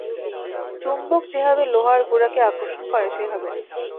চুম্বক যেভাবে লোহার গুঁড়াকে আকর্ষণ করে, সেভাবে।